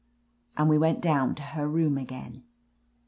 And we went down to her room again.